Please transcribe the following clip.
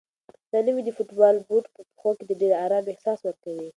دا نوی د فوټبال بوټ په پښو کې د ډېر ارام احساس ورکوي.